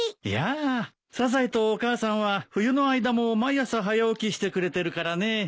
いやサザエとお母さんは冬の間も毎朝早起きしてくれてるからね。